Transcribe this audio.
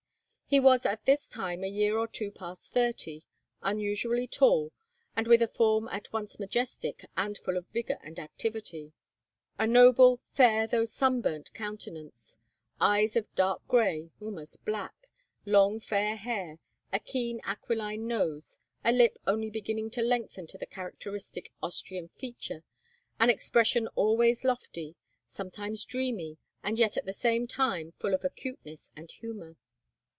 He was at this time a year or two past thirty, unusually tall, and with a form at once majestic and full of vigour and activity; a noble, fair, though sunburnt countenance; eyes of dark gray, almost black; long fair hair, a keen aquiline nose, a lip only beginning to lengthen to the characteristic Austrian feature, an expression always lofty, sometimes dreamy, and yet at the same time full of acuteness and humour.